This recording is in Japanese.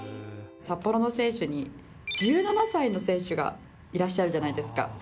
札幌の選手に１７歳の選手がいらっしゃるじゃないですか。